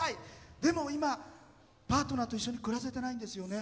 でも、今パートナーと一緒に暮らせてないんですよね。